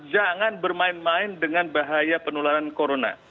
jangan bermain main dengan bahaya penularan corona